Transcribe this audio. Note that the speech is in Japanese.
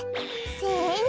せの！